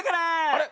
あれ？